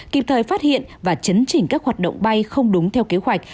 kịp thời phát hiện và chấn chỉnh các hoạt động bay không đúng theo kế hoạch